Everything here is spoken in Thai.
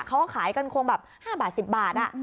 เขาก็ขายกันคงแบบ๕บาท๑๐บาท